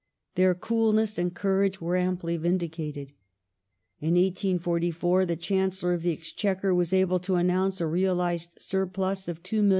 Their coolness and coui age were amply vindicated. In 1844 the Chancellor of the Exchequer was able to announce a realized surplus of £2,095,428.